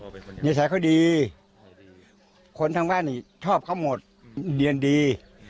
นิสัยเขาดีคนทางบ้านนี่ชอบเขาหมดเรียนดี